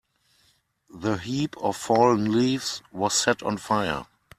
The heap of fallen leaves was set on fire.